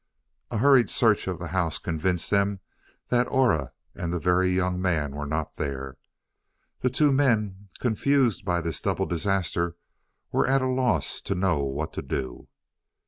A hurried search of the house convinced them that Aura and the Very Young Man were not there. The two men, confused by this double disaster, were at a loss to know what to do.